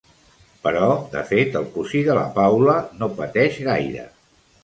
Però de fet el cosí de la Paula no pateix gaire.